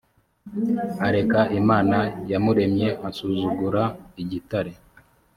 areka imana yamuremye asuzugura igitare